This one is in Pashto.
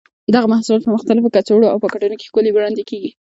دغه محصولات په مختلفو کڅوړو او پاکټونو کې ښکلي وړاندې کېږي.